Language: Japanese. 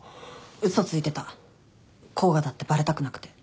嘘ついてた甲賀だってバレたくなくて。